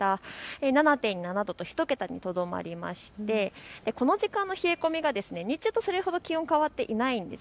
７．７度と１桁にとどまりまして、この時間の冷え込みが日中とそれほど気温変わっていないんです。